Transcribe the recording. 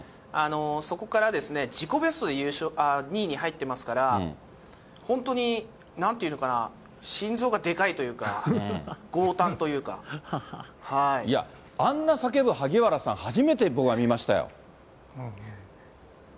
そこから自己ベストで２位に入ってますから、本当に、なんていうのかな、心臓がでかいというか、あんな叫ぶ萩原さん、初めて僕は見ましたよ。